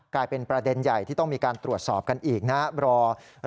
กลายเป็นประเด็นใหญ่ที่ต้องมีการตรวจสอบกันอีกนะครับ